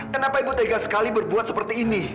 kenapa ibu tega sekali berbuat seperti ini